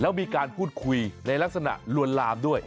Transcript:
แล้วมีการพูดคุยในลักษณะลวนลามด้วย